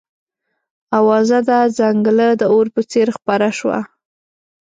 اوازه د ځنګله د اور په څېر خپره شوه.